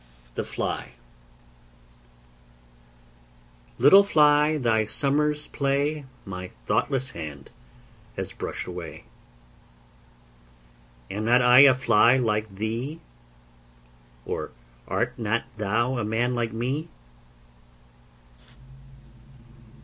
THE FLY Little Fly, Thy summer's play My thoughtless hand Has brushed away. Am not I A fly like thee? Or art not thou A man like me?